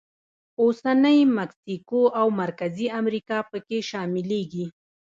اوسنۍ مکسیکو او مرکزي امریکا پکې شاملېږي.